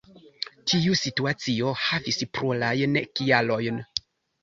Tiu situacio havis plurajn kialojn.